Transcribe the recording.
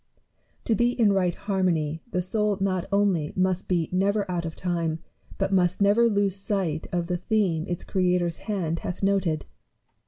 To be in right harmony, the soul not only must be never S ARROW AND NEWTON. 2o7 out of time, but must never lose sight of the theme its Creator's hand hath noted.